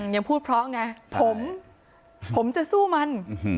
ยังพูดเพราะไงผมผมจะสู้มัน